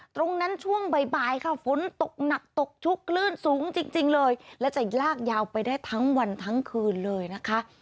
ช่วงบ่ายค่ะฝนตกหนักตกชุกคลื่นสูงจริงเลยและจะลากยาวไปได้ทั้งวันทั้งคืนเลยนะคะ